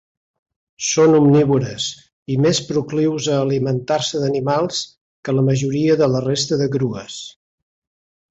Són omnívores i més proclius a alimentar-se d'animals que la majoria de la resta de grues.